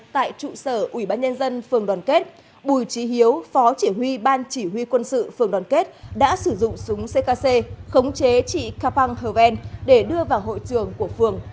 tại trụ sở ubnd phường đoàn kết bùi trí hiếu phó chỉ huy ban chỉ huy quân sự phường đoàn kết đã sử dụng súng ckc khống chế trị kapang hervèn để đưa vào hội trường của phường